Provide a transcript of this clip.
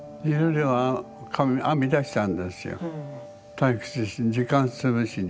退屈時間潰しに。